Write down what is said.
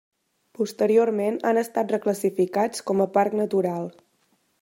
Posteriorment han estat reclassificats com a Parc Natural.